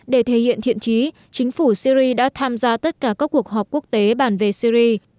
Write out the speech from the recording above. để thể hiện thiện trí chính phủ syri đã tham gia tất cả các cuộc họp quốc tế bàn về syri